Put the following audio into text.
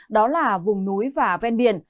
đó là vùng núi và ven biển